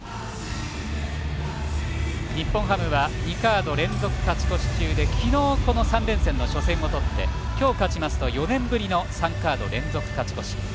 日本ハムは２カード連続勝ち越し中で昨日、この３連戦の初戦を取って今日、勝ちますと４年ぶりの３カード連続勝ち越し。